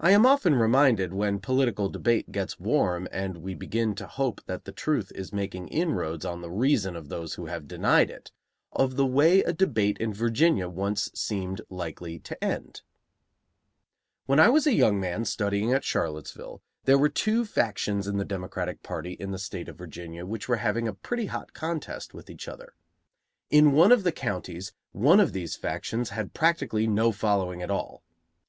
I am often reminded, when political debate gets warm and we begin to hope that the truth is making inroads on the reason of those who have denied it, of the way a debate in Virginia once seemed likely to end: When I was a young man studying at Charlottesville, there were two factions in the Democratic party in the State of Virginia which were having a pretty hot contest with each other. In one of the counties one of these factions had practically no following at all.